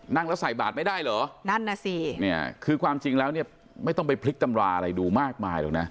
นั่งแล้วใส่บาดไม่ได้เหรอนั่นน่ะสิคือความจริงแล้วไม่ต้องไปพลิกตำราอะไรดูมากมาย